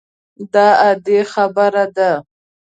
دا عادي خبره ده.